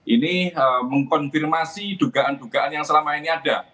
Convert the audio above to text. ini mengkonfirmasi dugaan dugaan yang selama ini ada